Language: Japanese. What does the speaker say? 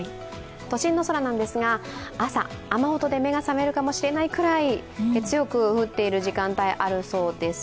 都心の空なんですが、朝、雨音で目が覚めることがあるくらい強く降っている時間帯あるそうです。